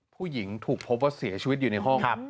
ผู้หญิงถูกพบว่าเสียชีวิตอยู่ในห้อง